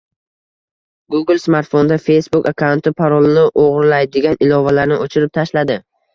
Google smartfondan Facebook akkaunti parolini o‘g‘irlaydigan ilovalarni o‘chirib tashladi